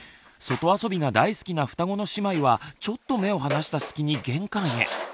外遊びが大好きな双子の姉妹はちょっと目を離した隙に玄関へ。